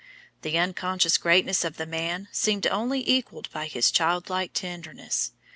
"The unconscious greatness of the man seemed only equalled by his child like tenderness.